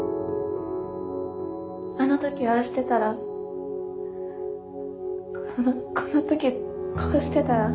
あの時ああしてたらこの時こうしてたら。